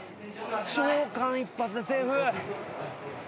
超間一髪でセーフ。